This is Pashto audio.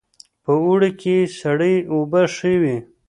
په اوړي کې سړې اوبه ښې وي